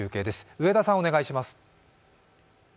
上田さん、お願いします。